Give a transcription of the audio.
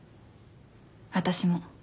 私も。